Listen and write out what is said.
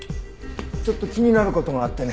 ちょっと気になる事があってね。